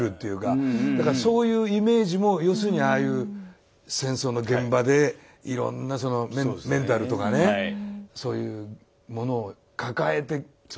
だからそういうイメージも要するにああいう戦争の現場でいろんなメンタルとかねそういうものを抱えてたんだなっていうのが。